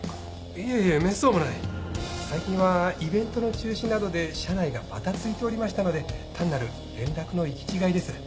いえいえめっそうもない最近はイベントの中止などで社内がバタついておりましたので単なる連絡の行き違いです。